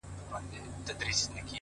او له سترگو يې څو سپيني مرغلري،